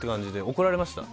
怒られました。